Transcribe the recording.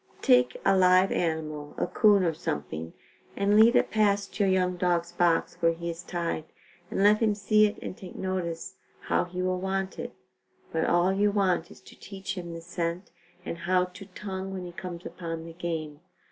Take a live animal, a 'coon or something, and lead it past your young dog's box where he is tied and let him see it and take notice how he will want it, but all you want is to teach him the scent and how to tongue when he comes up on the game.